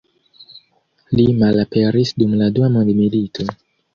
Li malaperis dum la dua mondmilito.